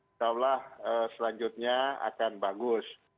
insya allah selanjutnya akan bagus